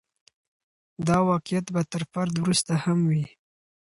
دا واقعیت به تر فرد وروسته هم وي.